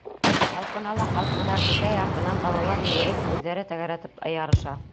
Талпына ла ҡалҡына, Күкәй артынан балалар йүгереп, үҙҙәре тәгәрәтеп ярыша.